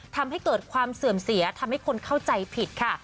ทำให้เกิดความเสื่อมเสียทำให้คนเข้าใจผิดค่ะ